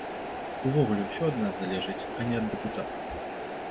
Увогуле ўсё ад нас залежыць, а не ад дэпутатаў.